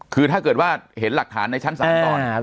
คือถ้าเกิดว่าเห็นหลักฐานในชั้นศาลก่อน